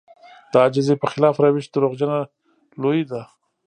د عاجزي په خلاف روش دروغجنه لويي ده.